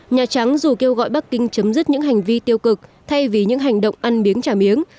nhà trắng dù kêu gọi bắc kinh chấm dứt những hành vi tiêu cực thay vì những hành động ăn miếng trả miếng